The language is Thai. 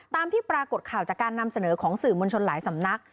ที่ปรากฏข่าวจากการนำเสนอของสื่อมวลชนหลายสำนัก